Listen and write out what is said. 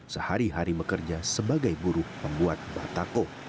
sehari hari bekerja sebagai buruh pembuat batako